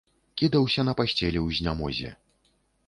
Кідаўся на пасцелі ў знямозе.